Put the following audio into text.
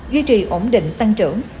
duy trì ổn định tăng trưởng